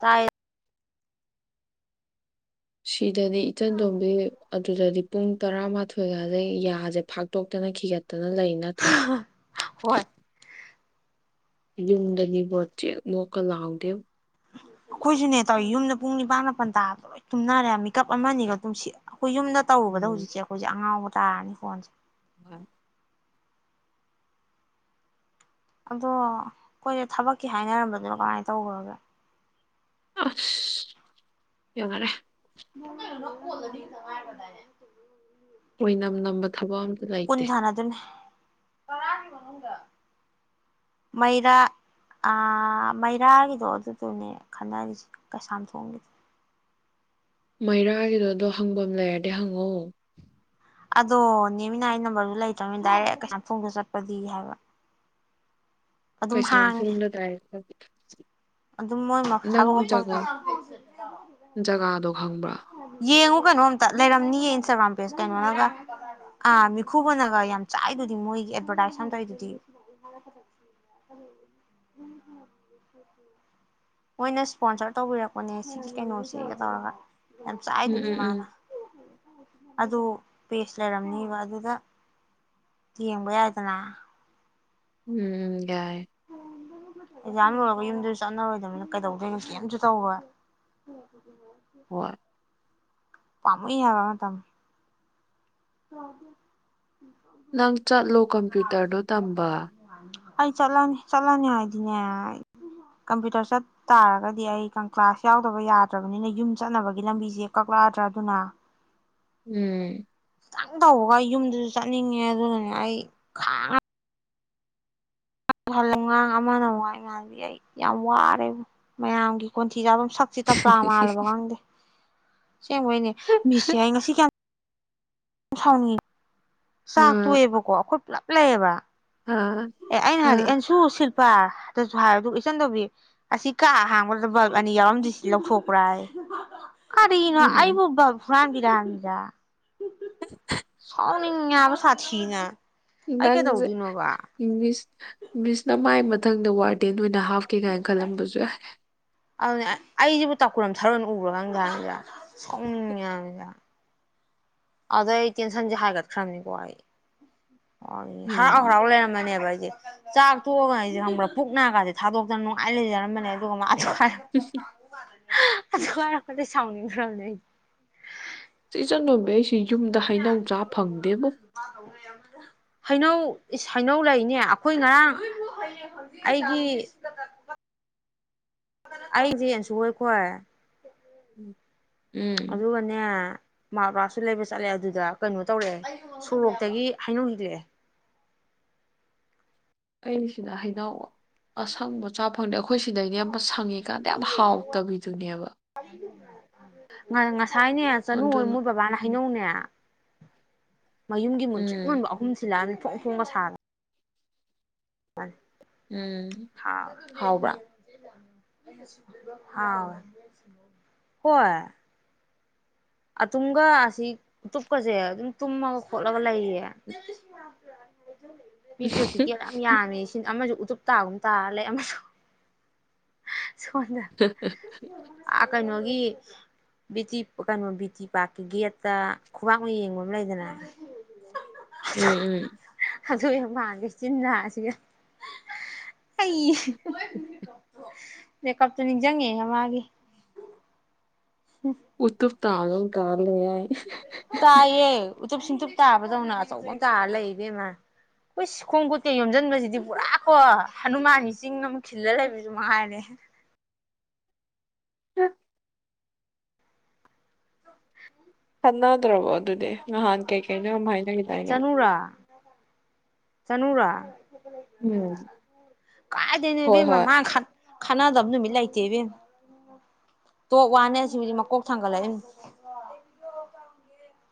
ꯇꯥꯏꯌꯦ ꯐ꯭ꯗꯗꯤ ꯏꯆꯟ ꯇꯣꯝꯕꯤ ꯑꯗꯨꯗꯗꯤ ꯄꯨꯡ ꯇꯔꯥꯃꯥꯊꯣꯏꯒꯥꯁꯩ ꯌꯥꯁꯦ ꯐꯥꯛꯇꯣꯛꯇꯅ ꯈꯤꯒꯠ ꯐꯠꯇꯅ ꯂꯩ ꯅꯠꯇ꯭ꯔꯥ ꯍꯣꯏ ꯌꯨꯝꯗꯅꯤꯕꯣꯠ ꯆꯦ ꯃꯣꯀ ꯂꯥꯎꯗꯦ ꯑꯩꯈꯣꯏꯁꯨꯅꯦ ꯇꯧꯋꯤ ꯌꯨꯝꯗ ꯄꯨꯡ ꯅꯤꯄꯥꯟ ꯃꯥꯄꯜ ꯇꯥ ꯂꯣꯏ ꯇꯨꯝꯅꯔꯦ ꯃꯤꯀꯞ ꯑꯃꯅꯤꯒ ꯑꯗꯨꯝ ꯑꯩꯈꯣꯏ ꯌꯨꯝꯗ ꯇꯔꯨꯕꯗ ꯎꯝ ꯍꯧꯖꯤꯁꯦ ꯑꯩꯈꯣꯏꯁꯦ ꯑꯉꯧꯕ ꯇꯥꯅꯤ ꯐꯣꯟꯁ ꯏ ꯑꯗꯣ ꯑꯩꯈꯣꯏꯁ ꯊꯕꯛꯀꯤ ꯍꯥꯏꯅꯔꯝꯕꯗꯨꯅꯣ ꯀꯃꯥꯏꯅ ꯇꯧꯈ꯭ꯔꯒꯦ ꯑ ꯀꯉꯔꯦ [unintelligible] ꯑꯣꯏꯅꯅꯝ ꯅꯝꯕ ꯊꯕꯛ ꯑꯃ ꯎꯟ ꯁꯅꯗꯨꯅꯦ꯫ ꯃꯩꯔꯥ ꯃꯩꯔꯥꯒꯤꯗꯣ ꯑꯗꯨꯗꯨꯅꯦ ꯈꯟꯅꯔꯤꯁ ꯀꯩꯁꯥꯝꯊꯣꯡꯒꯤꯗ꯫ ꯃꯩꯔꯥꯒꯤꯗꯣꯗꯣ ꯍꯪꯐꯝ ꯂꯩꯔꯗꯤ ꯍꯪꯉꯣ ꯫ ꯑꯗꯣ ꯅꯦꯃꯤꯅꯥ ꯑꯩ ꯅꯝꯕꯔꯗꯨ ꯂꯩꯇ꯭ꯔꯕꯅꯤꯅ ꯗꯥꯏꯔꯦꯛ ꯀꯩꯁꯝꯊꯣꯡꯗ ꯆꯠꯄꯗꯤ ꯍꯥꯏꯕ ꯑꯗꯨꯝ ꯀꯩꯁꯥꯝꯊꯣꯡꯗ ꯗꯥꯏꯔꯦꯛ ꯆꯠ ꯑꯗꯨ ꯃꯣꯏ ꯊꯕꯛ ꯃꯐꯝ ꯖꯒꯥꯗꯣ ꯈꯪꯕ꯭ꯔꯥ [unintelligible] ꯌꯦꯡꯉꯨ ꯀꯩꯅꯣꯝꯇ ꯂꯩꯔꯝꯅꯤꯌꯦ ꯏꯟꯁꯇꯥꯒ꯭ꯔꯥꯝ ꯄꯦꯖ ꯀꯩꯅꯣꯅꯒ ꯑ ꯃꯤꯈꯨꯕꯅꯒ ꯌꯥꯝ ꯆꯥꯏꯗꯨꯗꯤ ꯃꯣꯏꯒꯤ ꯑꯦꯗꯚꯔꯇꯥꯏꯁ ꯇꯧꯏꯗꯨꯗꯤ꯫ ꯃꯣꯏꯅ ꯏꯁꯄꯣꯟꯁꯔ ꯇꯧꯕꯤꯔꯛꯄꯅꯦ ꯁꯤꯒꯤ ꯀꯩꯅꯣꯁꯤꯒ ꯇꯧꯔꯒ꯫ ꯌꯥꯝ ꯆꯥꯏ ꯎꯝ ꯗꯨꯗꯤ ꯎꯝ ꯃꯥꯅ꯫ ꯎꯝ ꯑꯗꯨ ꯄꯦꯁ ꯂꯩꯔꯝꯅꯤꯕ ꯑꯗꯨꯗ ꯌꯦꯡꯕ ꯌꯥꯏꯗꯅ꯫ ꯎꯝ ꯌꯥꯏ꯫ ꯑꯦꯛꯖꯥꯥꯟ ꯂꯣꯏꯔꯒ ꯌꯨꯝꯗꯁꯨ ꯆꯠꯅꯔꯣꯏꯗꯕꯅꯤꯅ ꯀꯩꯗꯧꯗꯣꯏ ꯀꯝꯁꯨ ꯇꯧꯔꯣꯏ ꯍꯣꯏ꯫ ꯄꯥꯃꯨꯏ ꯍꯥꯎꯕ ꯃꯇꯝ [inaudible] ꯅꯪ ꯆꯠꯂꯣ ꯀꯝꯄ꯭ꯌꯨꯇꯔꯗꯣ ꯇꯝꯕ꯫ ꯑꯩ ꯆꯠꯂꯅꯤ ꯆꯠꯂꯅꯤ ꯍꯥꯏꯗꯤꯅꯦ ꯀꯝꯄ꯭ꯌꯨꯇꯔ ꯆꯠ ꯇꯥꯔꯒꯗꯤ ꯑꯩ ꯀ꯭ꯂꯥꯁ ꯌꯥꯎꯗꯕ ꯌꯥꯗ꯭ꯔꯕꯅꯤꯅ ꯌꯨꯝ ꯆꯠꯅꯕꯒꯤ ꯂꯝꯕꯤꯁꯦ ꯀꯛꯂꯛꯑꯗ꯭ꯔꯥ ꯑꯗꯨꯅ ꯎꯝ꯫ ꯈꯤꯇꯪ ꯇꯧꯕꯒ ꯑꯩ ꯌꯨꯝꯗꯨꯁꯨ ꯆꯠꯅꯤꯡꯉꯦ ꯑꯗꯨꯅꯅꯦ ꯑꯩ ꯈꯥꯡꯉ ꯑꯃꯅ ꯉꯥꯡ ꯉꯥꯡꯗꯤ ꯑꯩ ꯌꯥꯝ ꯋꯥꯔꯦ ꯃꯌꯥꯝꯒꯤ ꯀꯣꯟꯊꯤ ꯁꯤꯒ ꯑꯗꯨꯝ ꯁꯛꯁꯤ ꯇꯞꯄ꯭ꯂꯥ ꯃꯥꯜꯂꯕ ꯈꯪꯗꯦ ꯁꯦꯡꯕꯩꯅꯤ ꯃꯤꯁꯁꯦ ꯑꯩ ꯉꯁꯤ ꯀꯌꯥ ꯁꯥꯎ ꯅꯤꯡꯉꯤ ꯆꯥꯛ ꯑꯥ ꯇꯨꯑꯦꯕꯀꯣ ꯑꯩꯈꯣꯏ ꯄꯨꯂꯞ ꯂꯩ ꯑꯕꯥ ꯑꯥ ꯑꯦ ꯑꯩꯅ ꯍꯥꯏꯗꯤ ꯑꯥ ꯑꯦꯟꯁꯨ ꯁꯤꯜ ꯄꯥ ꯑꯗꯨꯁꯨ ꯍꯥꯏ ꯑꯗꯨꯒ ꯏꯆꯟꯗꯧꯕꯤ ꯑꯁꯤ ꯀꯥ ꯍꯥꯡꯕꯗꯨꯗ ꯕꯜꯒ ꯑꯅꯤ ꯌꯥꯎꯔꯝꯗ꯭ꯁꯤ ꯂꯧꯊꯣꯛꯄ꯭ꯔꯥ ꯍꯥꯏ ꯀꯔꯤꯅꯣ ꯎꯝ ꯎꯝ ꯑꯩꯕꯨ ꯕꯥꯜꯄ ꯍꯨꯔꯥꯟ ꯕꯤꯔꯥ ꯍꯥꯏꯕꯅꯤꯗ ꯫ [unintelligible] ꯍꯥꯏꯕꯥ ꯁꯥꯊꯤ ꯅꯥ ꯅꯪ ꯖꯦ ꯃꯤꯁ ꯃꯤꯁꯅ ꯃꯥꯏ ꯃꯊꯪꯗ ꯋꯥꯠ ꯗꯦꯟ ꯑꯣꯏꯅꯥ ꯍꯥꯞ ꯀꯦ ꯀꯥꯏ ꯀꯂꯝꯕꯨꯁꯨ ꯌꯥꯏ꯫ ꯑꯗꯨꯅꯤ ꯑꯩꯖꯤꯕꯨ ꯇꯀꯨ ꯔꯝꯊꯥꯔꯅ ꯑꯣꯏꯅꯥ ꯎꯕ꯭ꯔ ꯈꯪꯗꯦ ꯍꯥꯏꯕꯥꯅꯤꯗ ꯁꯥꯎꯅꯤꯡꯉꯦ ꯍꯥꯏꯕꯅꯤꯗ ꯑꯗꯨꯗꯩꯩ ꯑꯩ ꯇꯦꯟꯁꯟꯁꯦ ꯍꯥꯏꯒꯠꯈ꯭ꯔꯝꯅꯤꯀꯣ ꯑꯩ ꯑꯣ ꯍꯔꯥꯎ ꯎꯝ ꯍꯔꯥꯎ ꯂꯩꯔꯝꯃ ꯅꯦꯕ ꯑꯩ ꯆꯥꯛ ꯊꯣꯛꯑꯒ ꯑꯩꯖꯦ ꯈꯪꯕ꯭ꯔꯥ ꯄꯨꯛ ꯅꯥꯒꯥꯖꯦ ꯊꯥꯗꯣꯛꯇꯅ ꯅꯨꯡꯉꯥꯏ ꯂꯩꯖꯔꯝꯕꯅꯦ ꯑꯗꯨꯒ ꯃꯗꯣ ꯑꯗꯨ ꯍꯥꯏꯔꯛꯄꯗꯩꯩ ꯁꯥꯎꯅꯤꯡ ꯈ꯭ꯔꯝꯅꯦ ꯑꯩ ꯆꯦ ꯏꯆꯟ ꯇꯣꯝꯕꯤ ꯑꯩꯁ [unintelligible] ꯍꯩꯅꯧ ꯍꯩꯅꯧ ꯂꯩꯅꯦ ꯑꯈꯣꯏ ꯉꯔꯥꯡ ꯑꯩꯒꯤ ꯑꯩꯖꯦ [unintelligible] ꯎꯝ ꯑꯗꯨꯒꯅꯦ [unintelligible] ꯂꯩꯕ ꯆꯠꯂꯦ ꯑꯗꯨꯗ ꯀꯩꯅꯣ ꯇꯧꯔꯛꯑꯦ ꯁꯨꯔꯣꯛꯇꯒꯤ ꯍꯩꯅꯧ ꯍꯦꯛꯂꯛꯑꯦ ꯑꯩꯁꯤꯗ ꯍꯩꯩꯅꯧ ꯑꯁꯪꯕꯆꯥ ꯐꯪꯗꯦ ꯈꯣꯏ ꯁꯤꯗꯩꯒꯤ ꯑꯃ ꯁꯪꯉꯤꯀꯥꯟꯗ ꯌꯥꯝ ꯍꯥꯎ ꯇꯕꯤꯗꯨꯅꯦꯕ [unintelligible] ꯁꯥꯏꯅꯦ ꯆꯅꯨ ꯍꯣꯏ ꯑꯗꯨꯅ ꯃꯣꯏ ꯕꯕꯥꯅ ꯍꯅꯧꯅꯦ [unintelligible] ꯃꯌꯨꯝꯒꯤ ꯃꯨꯟꯊꯔ꯭ꯤꯛ ꯎꯝ ꯃꯨꯟꯕ ꯑꯍꯨꯝ ꯁꯤꯜ ꯂꯥꯛꯑꯝꯃꯦ ꯐꯣꯡ ꯐꯣꯡꯒ ꯁꯥꯅ ꯎꯝ [unintelligible] ꯍꯥꯎꯕ꯭ꯔꯥ ꯍꯥꯎꯋꯦ ꯍꯣꯏ ꯑꯇꯨꯝꯒ ꯑꯁꯤ ꯇꯨꯞꯀꯖ ꯑꯗꯨꯝ ꯇꯨꯝꯃꯒ ꯈꯣꯠꯂꯒ ꯂꯩꯌꯦ ꯄꯤ ꯄꯔ꯭ꯦꯛꯇꯤꯀꯦꯜ ꯌꯥꯝ ꯌꯥꯝꯃꯦ ꯁꯤ ꯑꯃꯖꯨ ꯎꯇꯨꯞꯇꯥꯥꯒꯨꯝ ꯇꯥ ꯂꯩ ꯑꯃꯖꯨ ꯁꯣꯟꯗ ꯑ ꯀꯩꯅꯣ ꯀꯤ ꯕꯤꯇꯤ ꯀꯩꯅꯣ ꯕꯤꯇꯤ ꯄꯥꯛꯀꯤ ꯒꯦꯠꯇ ꯈꯨꯕꯥꯛ ꯃꯌꯤ ꯌꯦꯡꯕ ꯑꯃ ꯂꯩꯗꯅ ꯎꯝ ꯎꯝ ꯑꯗꯨ ꯌꯥꯝ [unintelligible] ꯑꯩ ꯃꯦꯀꯞꯇꯨ ꯅꯤꯡꯖꯪꯉꯦꯑꯦ ꯃꯥꯒꯤ ꯎꯇꯨꯞ ꯇꯥꯗꯧꯅ ꯇꯥ ꯂꯩ ꯍꯥꯏ ꯇꯥꯏꯌꯦ ꯎꯇꯨꯞ ꯁꯤꯡꯇꯨꯞ ꯇꯥꯕꯗꯧꯅ ꯑꯆꯧꯕ ꯇꯥꯔ ꯂꯩ ꯏꯕꯦꯝꯃ ꯎꯏꯁ ꯈꯣꯡ ꯈꯨꯠꯀ ꯌꯣꯝꯖꯟꯕꯖꯤꯗꯤ ꯄꯨꯔꯥ ꯀꯣ ꯍꯅꯨꯃꯥꯟꯒꯤ ꯆꯤꯡ ꯑꯝ ꯈꯤꯜꯂ ꯂꯩꯕꯖꯨ ꯃꯉꯥꯏꯔꯦ [unintelligible] ꯎ ꯆꯉ ꯑꯗꯨ꯭ꯔꯕꯣ ꯑꯗꯨꯗꯤ ꯅꯍꯥꯟ ꯀꯩ ꯀꯩꯅ ꯑꯗꯨꯝ ꯍꯥꯏꯅꯈꯤꯗꯅꯦ ꯆꯅꯨꯔꯥ ꯆꯅꯨꯔꯥ ꯎꯝ ꯍꯣꯏ ꯍꯣꯏ ꯈꯥꯟꯅꯗꯕ ꯅꯨꯃꯤꯠ ꯂꯩꯇꯦ ꯏꯕꯦꯝ ꯇꯣꯛ ꯋꯥꯅꯦ ꯁꯤꯕꯨꯗꯤ ꯃꯀꯣꯛ ꯊꯥꯡꯒꯠꯂꯛꯏ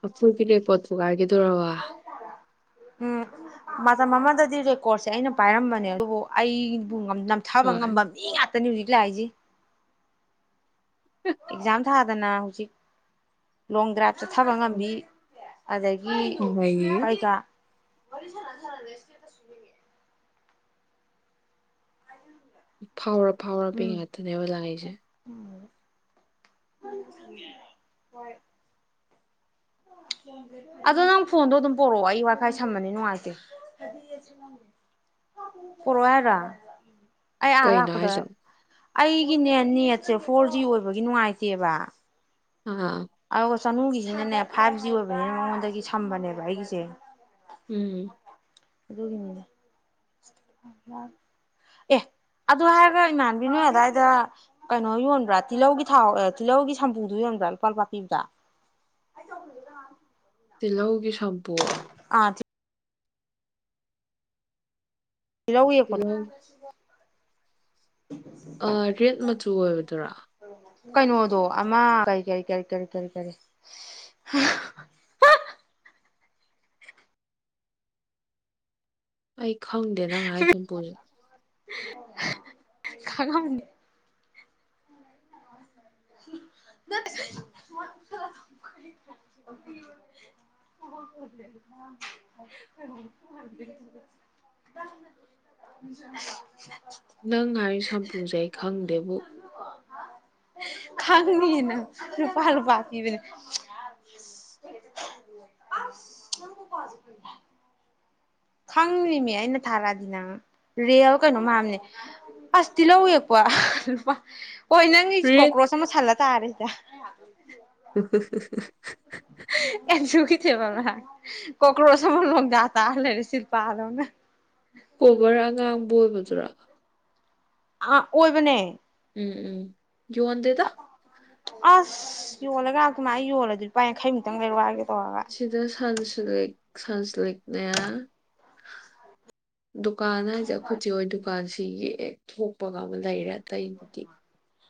ꯑꯐꯨ ꯄꯔꯦ ꯄꯣꯠꯄꯨ ꯀꯥꯏꯔꯒꯗꯣꯔꯔꯕ ꯎꯝ ꯃꯇꯝ ꯑꯃꯗꯗꯤ ꯔꯦꯀꯣꯔꯠꯁꯦ ꯑꯩꯅ ꯄꯥꯏꯔꯝꯕꯅꯦ ꯑꯗꯨꯕꯨ ꯑꯩ ꯅꯝꯊꯕ ꯉꯝꯕ ꯍꯣꯏ ꯃꯤ ꯉꯥꯛ ꯅ ꯍꯧꯖꯤꯛꯂ ꯍꯥꯏ ꯑꯦꯛꯖꯥꯝ ꯊꯥꯗꯅ ꯍꯧꯖꯤꯛ ꯂꯣꯡ ꯗ꯭ꯔꯥꯚ ꯆꯠꯊꯕ ꯉꯝꯕꯤ ꯑꯗꯒꯤ ꯑꯗꯒꯤ ꯀꯩꯀ ꯋꯥꯔꯤ ꯁꯅꯦꯁ ꯁꯦ ꯐꯥꯎꯔ ꯐꯥꯎꯔꯕ ꯉꯥꯛꯇꯅꯦꯕ ꯂꯥꯡꯩꯁꯦ ꯎ ꯍꯣꯏ ꯑꯗꯣ ꯅꯪ ꯐꯣꯟꯗꯣ ꯑꯗꯨꯝ ꯄꯣꯔꯛꯑꯣ ꯑꯩ ꯋꯥꯏꯐꯥꯏ ꯁꯝꯕꯅꯤ ꯅꯨꯡꯉꯥꯏꯇꯦ ꯄꯣꯔꯛꯑꯣ ꯍꯥꯏꯗ꯭ꯔꯥ ꯑꯩ ꯑꯥ ꯀꯩꯅꯣ ꯂꯥꯛꯀꯨꯗ ꯍꯥꯏꯁꯦ ꯑꯩꯒꯤꯅꯦ ꯅꯦꯠꯁꯦ ꯐꯣꯔ ꯖꯤ ꯑꯣꯏꯕꯒꯤ ꯅꯨꯡꯉꯥꯏꯇꯦꯕ ꯑꯥ ꯑꯗꯨꯒ ꯆꯅꯨꯒꯤꯁꯤꯅꯅꯦ ꯐꯥꯏꯚ ꯖꯤ ꯑꯣꯏꯕꯅꯤꯅ ꯃꯉꯣꯟꯗꯒꯤ ꯁꯝꯕꯅꯦꯕ ꯑꯩꯒꯤꯁꯦ ꯎꯝ ꯑꯗꯨꯒꯤ ꯃꯤꯗ ꯑꯦ ꯑꯗꯨ ꯍꯥꯏꯔꯒ ꯏꯃꯥꯟꯕꯤꯅꯣꯏ ꯑꯗꯨꯋꯥꯏꯗ ꯀꯩꯅꯣ ꯌꯣꯟꯕ꯭ꯔꯥ ꯇꯤꯜꯍꯧꯒꯤ ꯊꯥꯎ ꯇꯤꯜꯍꯧꯒꯤ ꯁꯝꯄꯨꯗꯨꯣ ꯌꯣꯟꯕ꯭ꯔꯥ ꯂꯨꯄꯥꯜ ꯄꯥꯄꯤꯗ ꯇꯤꯜꯍꯧꯒꯤ ꯁꯝꯄꯨꯣ ꯑ ꯏꯂ ꯎ ꯌꯦꯄꯗ ꯇꯤꯜꯍꯧ ꯔꯦꯠ ꯃꯆꯨ ꯑꯣꯏꯕꯗꯨꯔꯥ ꯀꯩꯅꯣꯗꯣ ꯑꯃ ꯀꯔꯤ ꯀꯔꯤ ꯀꯔꯤ ꯀꯔꯤ ꯀꯔꯤ ꯀꯔꯤ ꯑꯩ ꯈꯪꯗꯦ ꯅꯪ ꯍꯥꯏꯥꯏ ꯁꯨꯝ ꯄꯨꯁ ꯀꯒ ꯃꯅꯤꯦ [inaudible] ꯅꯪ ꯍꯥꯏꯥꯏꯔꯤ ꯁꯝꯄꯨꯁꯦ ꯈꯪꯗꯦꯕꯨ ꯈꯪꯉꯅꯤꯅ ꯐꯜ ꯄꯥꯀꯤꯕꯅꯦ ꯈꯪꯗꯔꯤꯅꯦ ꯑꯩꯅ ꯊꯥꯔꯛꯑꯗꯤ ꯅꯪ ꯔꯤꯌꯦꯜ ꯀꯩꯅꯣ ꯃꯥꯝꯅꯦ ꯑꯁꯇꯤꯜꯍꯧꯋꯛꯄꯣ ꯂꯨꯄꯥ ꯍꯣꯏ ꯅꯪꯒꯤ ꯔꯦꯠ ꯀꯀ꯭ꯔꯣꯁ ꯑꯃ ꯁꯜꯂꯦ ꯇꯥꯔꯦꯗ [unintelligible] ꯑꯦꯖꯨꯀꯤꯁꯦꯕ [unintelligible] ꯀꯣꯀ꯭ꯔꯣꯁ ꯑꯃ ꯂꫭꯡꯗ ꯇꯥꯂꯩꯔꯦ ꯁꯤꯜꯄꯥ ꯗꯧꯅ ꯕꯣꯏꯕꯖꯨꯔ ꯑ ꯑꯣꯏꯕꯅꯦ ꯎꯝ ꯎꯝ ꯌꫭꯟꯗꯦꯗ ꯑꯁ ꯌꯣꯜꯂꯒ ꯂꯥꯛꯇꯨꯅ ꯑꯩ ꯌꯣꯜꯂꯗꯤ ꯂꯨꯄꯥ ꯌꯥꯡꯈꯩꯃꯨꯛꯇꯪ ꯂꯩꯔꯛꯑꫭ ꯍꯥꯏꯒꯦ ꯇꯧꯔꯒ [inaudible] ꯁꯥꯟꯁꯂꯤꯛꯅꯦ ꯗꯨꯀꯥꯟ ꯍꯥꯏꯁꯦ ꯑꯩꯈꯣꯏ ꯆꯦꯍꫭꯏ ꯗꯨꯀꯥꯟꯁꯤ ꯁꯤꯗꯒꯤ ꯌꯦꯛ ꯊꯣꯛꯄꯒ ꯑꯃ ꯂꯩꯔꯦ ꯑꯇꯩꯗꯨꯗꯤ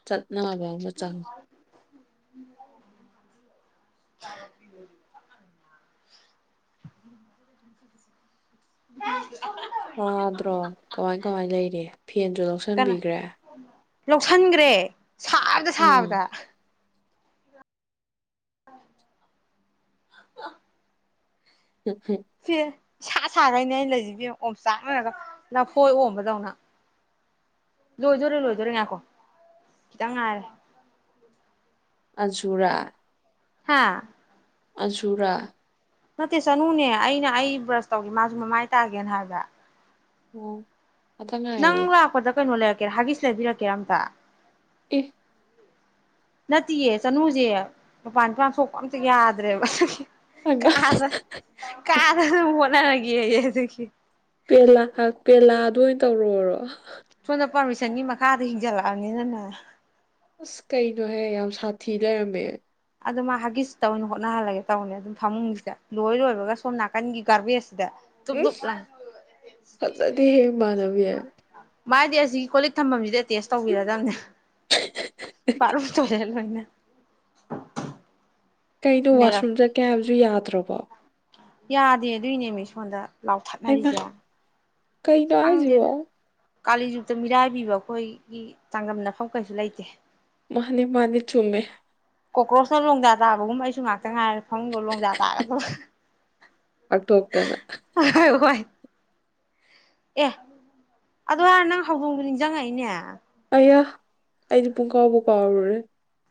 ꯆꯠ ꯅ ꯥꯎ ꯃ ꯆꯥꯡꯒ [inaudible] ꯁꯥꯗ꯭ꯔꯣ ꯀꯃꯥꯏ ꯀꯃꯥꯏ ꯂꯩꯔꯤ ꯐꯦꯟꯁꯨ ꯂꯧꯁꯟꯕꯤꯈ꯭ꯔꯦ ꯂꯧꯁꯟꯈ꯭ꯔꯦ ꯁꯥꯕꯗ ꯎꯝ ꯁꯥꯕꯗ [inaudible] [inaudible] [inaudible] ꯁꯤꯔꯦ ꯁꯥ ꯁꯥꯈꯩꯅꯦ ꯂꯩꯁꯤ ꯐ ꯑꯣꯝ ꯆꯥꯅꯔꯒ ꯂꯐꯣꯏ ꯑꯣꯝꯕꯗꯧꯅ ꯂꯣꯏꯗꯣꯔꯦ ꯂꯣꯏꯗꯣꯔꯦ ꯉꯥꯏꯈꯣ ꯈꯤꯇꯪ ꯉꯥꯏꯔꯦ ꯑꯆꯨꯔꯥ ꯍꯥꯥ ꯑꯖꯨꯔꯥ ꯅꯠꯇꯦ ꯆꯅꯨꯅꯦ ꯑꯩꯅ ꯑꯩ ꯕ꯭ꯔꯁ ꯇꯧꯒꯦ ꯃꯥꯁꯨ ꯃꯃꯥꯏ ꯇꯥꯒꯦꯅ ꯍꯥꯏꯕ ꯑꯣ ꯉꯛꯇꯡ ꯉꯥꯏꯌꫭꯌꫭ ꯅꯪ ꯂꯥꯛꯄꯗ ꯀꯩꯅꯣ ꯂꯩꯔꯛꯀꯦꯔꯥ ꯌꯥꯒꯤꯁ ꯂꯩꯕꯤꯔꯛꯀꯦꯔꯥ ꯑꯝꯇ ꯑꯦ ꯅꯠꯇꯦꯌꯦ ꯆꯅꯨꯁꯦ ꯃꯄꯥꯥꯟ ꯅꯤꯄꯥꯥꯟ ꯇꫭꯛꯄ ꯑꯝꯇ ꯌꯥꯗ꯭ꯔꯦꯕ ꯍꯥꯏꯃ ꯀꯥꯗ ꯀꯥꯗ ꯌꫭꯠꯅꯔꯒꯦꯌꯦ ꯑꯗꯨꯒꯤ ꯄꯦꯂꯥ ꯄꯦꯂꯥ ꯑꯗꯨ ꯑꯣꯏꯅ ꯇꯧꯔꫭꯔꯣ ꯁꯣꯝꯗ ꯄꯥꯔꯃꯤꯁꯟꯒꯤ ꯃꯈꯥꯗ ꯍꯤꯡꯖꯜꯂꯛꯑꯕꯅꯤꯅꯅꯦ ꯑꯁ ꯀꯩꯅꯣꯍꯦ ꯌꯥꯝ ꯁꯥꯊꯤ ꯂꯩꯔꯝꯃꯦ ꯑꯗꯨ ꯃꯥ ꯍꯒꯤꯠꯁꯇ ꯑꯣꯏꯅ ꯍꯣꯠꯅꯍꯜꯂꯒꯦ ꯇꯧꯕꯅꯦ ꯑꯗꯨꯝ ꯐꯃꯨꯡꯁꯤꯗ ꯂꯣꯏ ꯂꯣꯏꯕꯒ ꯁꯣꯝ ꯅꯥꯀꯟꯒꯤ ꯒꯥꯔꯕꯦꯖ [unintelligible] ꯐꯖꯗꯦꯌꯦ ꯏꯃꯟꯅꯕꯤ ꯃꯥꯗꯤ ꯑꯁꯤꯒꯤ ꯀꯣꯂꯤꯛ ꯊꯝꯐꯝꯁꯤꯗꯤ ꯑꯦꯇꯦꯁ ꯇꯧꯕꯤꯔꯗꯕꯅꯦ ꯕꯠꯔꯨꯝ ꯇꫭꯏꯂꯦꯠ ꯂꫭꯏꯅ ꯀꯩꯅꯣ ꯅꯩꯔꯛ ꯋꯥꯁꯔꯨꯝꯗ ꯆꯠꯀꯦ ꯍꯥꯏꯕꯁꯨ ꯌꯥꯗ꯭ꯔꯕꯣ ꯌꯥꯗꯦ ꯑꯗꯨꯏꯅꯦꯃꯤ ꯁꯣꯟꯗ ꯍꯥꯏꯃ ꯂꯥꯎꯊꯠꯅꯔꯤꯖꯦ ꯀꯩꯅꯣ ꯍꯥꯏꯖꯤꯕꯣ ꯀꯥꯂꯤꯖꯨꯛꯇ ꯃꯤꯔꯥꯏꯕꯤꯕ ꯑꯩꯈꯣꯏꯒꯤ ꯆꯥꯡꯗꯝꯅꯐꯝ ꯀꯩꯁꯨ ꯂꯩꯇꯦ ꯃꯥꯅꯦ ꯃꯥꯅꯦ ꯆꯨꯝꯃꯦ ꯀꯣꯀ꯭ꯔꯣꯁꯅ ꯂꯣꯡꯗꯥ ꯇꯥꯕꯒꯨꯝ ꯑꯩꯁꯨ ꯉꯥꯛ ꯈꯤꯇꯪ ꯉꯥꯏꯔꯦ ꯐꯃꯨꯡꯗ ꯂꯣꯡꯗꯥ ꯇꯥꯒꯗꯕ ꯄꯥꯛꯊꯣꯛꯇꯅ ꯍꯣꯏ ꯍꯣꯏ ꯍꯣꯏ ꯑꯦ ꯑꯗꯨ ꯍꯥꯏꯔ ꯅꯪ ꯍꯧꯗꯣꯡꯗꯣ ꯅꯤꯡꯖꯪꯉꯛꯏꯅꯦ ꯑꯌꯥ ꯑꯩꯗꯤ ꯄꯨꯨꯡꯀꯥꯎꯕꯨ ꯀꯥꯎꯔꯨꯔꯦ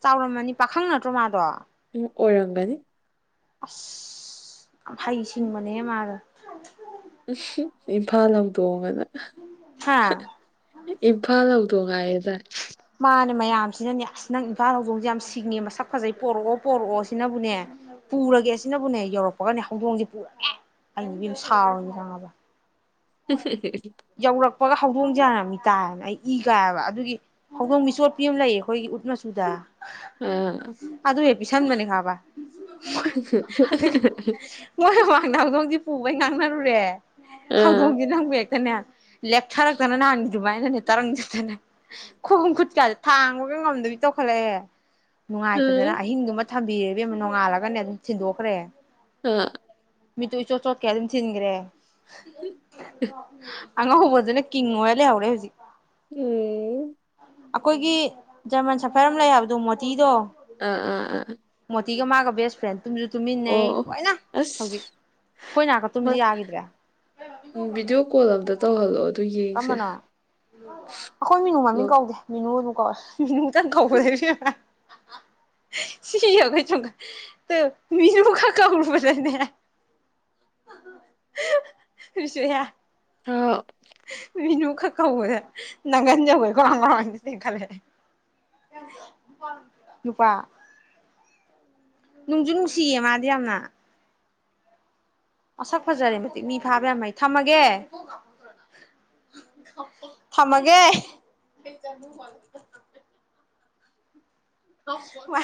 ꯆꯥꯎꯔꯝꯃꯅꯤ ꯄꯥꯈꯪ ꯅꯠꯇ꯭ꯔꯣ ꯃꯥꯗꯣ ꯎꯝ ꯑꯣꯏꯔꯝꯒꯅꯤ ꯑꯁꯁ ꯌꯥꯝ ꯍꯩ ꯁꯤꯡꯕꯅꯦꯍꯦ ꯃꯥꯗꯣ [unintelligible] ꯎꯝ ꯏꯝꯐꯥꯜ ꯍꯧꯗꯣꯡꯑꯅ ꯍꯥ ꯏꯝꯐꯥꯜ ꯍꯧꯗꯣꯡ ꯍꯥꯏꯌꯨ [unintelligible] ꯃꯥꯅꯦ ꯅ ꯃꯌꯥꯝꯁꯤꯅꯅꯦ ꯑꯁ ꯅꯪ ꯏꯝꯐꯥꯜ ꯍꯧꯖꯣꯡꯁꯦ ꯌꯥꯝ ꯁꯤꯡꯉꯦ ꯃꯁꯛ ꯐꯖꯩ ꯄꯣꯔꯛꯑꯣ ꯄꯣꯔꯛꯑꯣ ꯁꯤꯅꯕꯨꯅꯦ ꯄꯨꯔꯒꯦ ꯁꯤꯅꯕꯨꯅꯦ ꯌꯧꯔꯛ [unintelligible] ꯍꯧꯗꯣꯡꯁꯦ [unintelligible] ꯁꯥꯎꯔꯤꯅꯦ ꯈꯪꯉꯕ [unintelligible] ꯄꯒ ꯍꯧꯗꯣꯡꯁꯦ ꯍꯥꯟꯅ ꯃꯤꯇꯥꯏꯌꯦꯕꯥ ꯑꯩ ꯏ ꯀꯥꯏꯌꯦꯕ ꯑꯗꯨꯒꯤ ꯍꯧꯗꯣꯡ ꯃꯤꯆꯣꯠꯄꯤ ꯑꯃ ꯂꯩꯌꯦ ꯑꯩꯈꯣꯏꯒꯤ ꯎꯠ ꯃꯆꯨꯗ ꯑ ꯑ [unintelligible] ꯄꯤꯁꯟꯕꯅꯤ ꯈꯪꯉꯕ [unintelligible] ꯃꯣꯏꯃꯥꯡ ꯗ ꯍꯧꯗꯣꯡ ꯁꯦ ꯄꯨꯕꯩ ꯉꯥꯡꯅꯔꯨꯨꯔꯦ ꯑ ꯎꯝ ꯍꯩꯗꯣꯡꯁꯦ ꯅꯪꯕꯨ ꯍꯦꯛꯇꯅꯦ ꯂꯦꯛꯊꯔꯛꯇꯅ ꯅꯍꯥꯟ ꯑꯗꯨꯃꯥꯏꯅꯅꯦ ꯇꯔꯪ [unintelligible] ꯈꯣꯡ ꯈꯨꯠꯀꯥꯁꯦ ꯊꯥꯡꯕꯒ ꯉꯝꯗꯕꯤ ꯇꯧꯈꯠꯂꯛꯑꯦ ꯅꯨꯡꯉꯥꯏꯇꯗꯅ ꯑꯍꯤꯡꯗꯨꯃ ꯊꯝꯕꯤꯔꯦ ꯏꯕꯦꯝꯃ ꯅꯣꯡꯉꯥꯜꯂꯒꯅꯦ ꯑꯗꯨꯝ ꯊꯤꯟꯗꯣꯛꯈ꯭ꯔꯦ ꯑ ꯃꯤꯠꯇꯨ ꯏꯆꯣꯠ ꯆꯣꯠꯈꯩ ꯑꯗꯨꯝ ꯊꯤꯟꯈ꯭ꯔꯦ [unintelligible] ꯑꯉꯧꯕꯗꯨꯅ ꯀꯤꯡ ꯑꯣꯏ ꯂꯩꯍꯧꯔꯦ ꯍꯧꯖꯤꯛ [unintelligible] ꯑꯩꯈꯣꯏꯒꯤ ꯖꯔꯃꯟ ꯁꯐꯔ ꯑꯃ ꯂꯩ ꯍꯥꯏꯕꯗꯣ ꯃꯣꯇꯤꯗꯣ ꯑꯥ ꯑꯥ ꯑꯥ꯫ ꯁꯤꯒ ꯃꯥꯒ ꯕꯁ ꯐ꯭ꯔꯦꯟ ꯇꯨꯝꯁꯨ ꯑꯣ ꯇꯨꯝꯃꯤꯟꯅꯩ ꯑꯣ ꯂꯣꯏꯅ ꯍꯧꯖꯤꯛ ꯑꯁ ꯑꯩꯈꯣꯏ ꯅꯥꯀ ꯇꯨꯝꯁꯨ ꯌꯥꯈꯤꯗ꯭ꯔꯦ꯫ ꯎ ꯕꯤꯗꯤꯑꯣ ꯀꯣꯜ ꯑꯝꯇ [unintelligible] ꯀꯝꯕꯅ ꯑꯩꯈꯣꯏ ꯃꯤꯅꯨ ꯑꯗꯣ ꯃꯃꯤꯡ ꯀꯧꯗꯦ ꯃꯤꯅꯨ ꯑꯗꯨ [unintelligible] ꯑꯥ꯫ ꯃꯤꯅꯨ ꯈꯛ ꯀꯧꯕꯗꯥ ꯅꯪ ꯒꯟ ꯌꯧꯒꯩ ꯒꯣꯔꯣꯡ - ꯒꯣꯔꯣꯡ ꯍꯦꯛꯇꯥ ꯆꯦꯟꯈꯠꯂꯛ ꯑ [unintelligible] ꯅꯨꯄꯥ ꯅꯨꯡꯖꯨ- ꯅꯨꯡꯁꯤꯌꯦ ꯃꯥꯗꯤ ꯌꯥꯝꯅ꯫ ꯑꯁꯛ ꯐꯖꯔꯦ ꯃꯇꯤꯛ ꯃꯤ ꯐꯥꯕ ꯌꯥꯝꯃꯩ ꯊꯝꯃꯒꯦ ꯊꯝꯃꯒꯦ꯫ ꯋꯥ